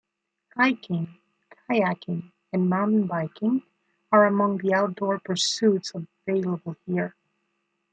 Hiking, kayaking, and mountain biking are among the outdoor pursuits available here.